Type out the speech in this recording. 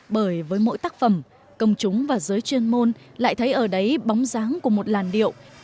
bởi với mỗi tác phẩm công chúng và giới chuyên môn lại thấy ở đấy bóng dáng của một làn điệu